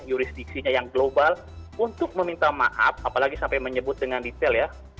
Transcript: jurisdiksinya yang global untuk meminta maaf apalagi sampai menyebut dengan detail ya